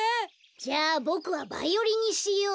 じゃあボクはバイオリンにしよう。